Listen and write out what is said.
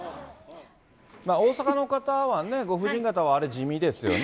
大阪の方はね、ご婦人方は、あれ、地味ですよね。